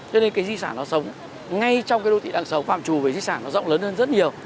cho nên cái di sản nó sống ngay trong cái đô thị đang sống phạm trù về di sản nó rộng lớn hơn rất nhiều